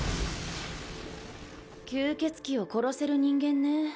吸血鬼を殺せる人間ね。